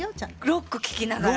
ロック聴きながら。